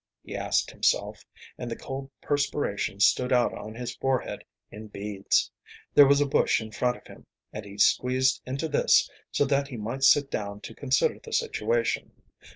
he asked himself, and the cold perspiration stood out on his forehead in beads. There was a bush in front of him, and he squeezed into this, so that he might sit down to consider the situation.